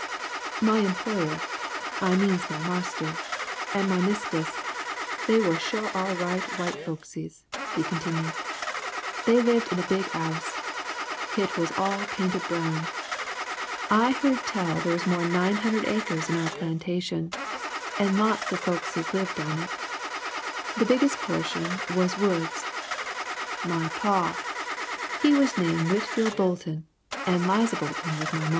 "My employer, I means my marster, and my mistess, they was sho' all right white folkses," he continued. "They lived in the big 'ouse. Hit was all painted brown. I heard tell they was more'n 900 acres in our plantation and lots of folkses lived on it. The biggest portion was woods. My paw, he was name Whitfield Bolton and Liza Bolton was my maw.